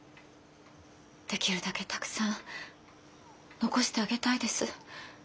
できるだけたくさん残してあげたいです。